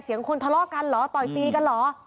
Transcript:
คนทะเลาะกันเหรอต่อยตีกันเหรอ